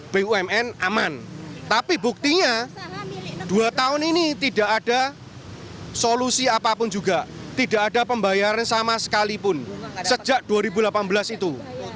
bumn aman tapi buktinya dua tahun ini tidak ada solusi apapun juga tidak ada pembayaran sama sekalipun sejak dua ribu delapan belas itu